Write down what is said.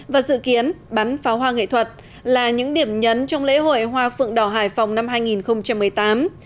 và dự kiến bắn pháo hoa nghệ thuật là những điểm nhấn trong lễ hội hoa phượng đỏ hải phòng năm hai nghìn một mươi tám